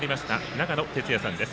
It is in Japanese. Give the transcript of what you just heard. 長野哲也さんです。